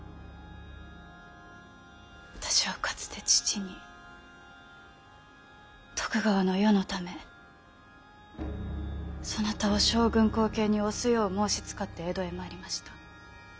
私はかつて父に徳川の世のためそなたを将軍後継に推すよう申しつかって江戸へ参りました。